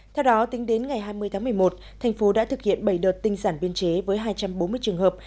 theo đó tính đến ngày hai mươi tháng một mươi một thành phố đã thực hiện bảy đợt tinh sản biên chế với hai trăm bốn mươi trường hợp